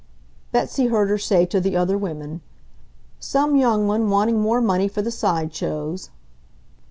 Betsy heard her say to the other women, "Some young one wanting more money for the side shows."